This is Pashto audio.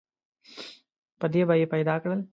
په دې به یې پیدا کړل.